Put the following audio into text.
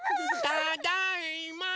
ただいま！